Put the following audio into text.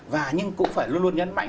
và nhưng cũng phải luôn luôn nhấn mạnh